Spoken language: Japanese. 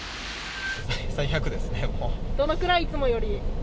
どのくらいいつもより？